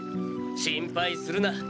心配するな！